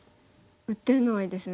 打てないですね。